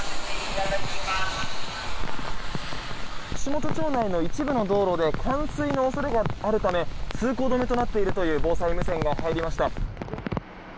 串本町内の一部の道路で冠水の恐れがあるため通行止めとなっていると防災無線が入りました。